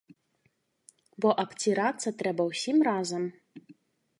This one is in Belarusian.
Бо абцірацца трэба ўсім разам.